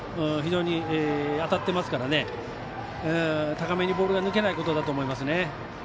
非常に当たってますから高めのボールが抜けないことだと思いますね。